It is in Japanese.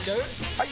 ・はい！